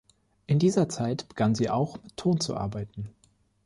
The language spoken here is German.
In dieser Zeit begann sie auch mit Ton zu arbeiten.